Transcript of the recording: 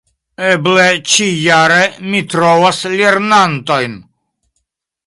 Eble ĉijare mi trovos lernantojn.